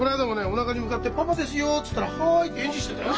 おなかに向かって「パパですよ」っつったら「はい」って返事してたよ。